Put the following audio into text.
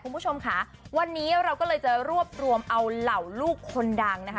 คุณผู้ชมค่ะวันนี้เราก็เลยจะรวบรวมเอาเหล่าลูกคนดังนะคะ